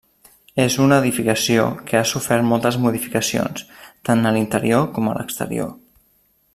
És una edificació que ha sofert moltes modificacions, tant a l'interior com a l'exterior.